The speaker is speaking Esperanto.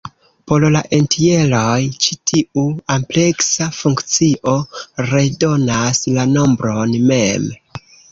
Por la entjeroj, ĉi tiu ampleksa funkcio redonas la nombron mem.